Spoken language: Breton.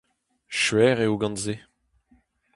Skuizh eo gant-se.